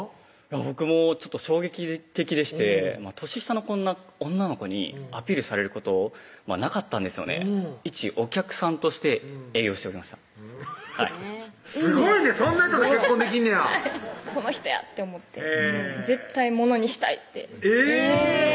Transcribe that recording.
僕も衝撃的でして年下のこんな女の子にアピールされることなかったんですよねいちお客さんとして営業しておりましたすごいねそんな人と結婚できんねやこの人やって思って絶対ものにしたいってえぇ！